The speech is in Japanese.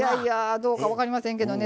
どうか分かりませんけどね。